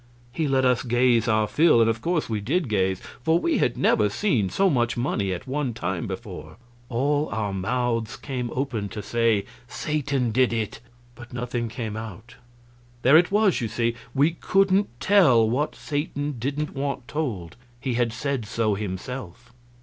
He let us gaze our fill; and of course we did gaze, for we had never seen so much money at one time before. All our mouths came open to say "Satan did it!" but nothing came out. There it was, you see we couldn't tell what Satan didn't want told; he had said so himself.